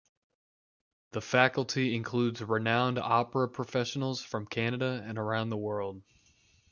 The faculty includes renowned opera professionals from Canada and around the world.